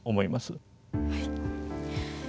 はい。